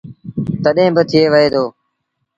تڏهيݩ با ٿئي وهي دو۔